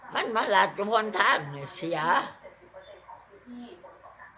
มันมาหลัดทุกคนทางเนี่ยเสือ